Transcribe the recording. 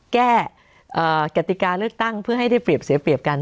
แก้กติกาเลือกตั้งเพื่อให้ได้เปรียบเสียเปรียบกัน